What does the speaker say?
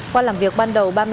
qua làm việc ban đầu